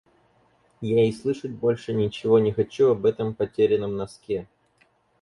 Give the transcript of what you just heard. Я и слышать больше ничего не хочу об этом потерянном носке!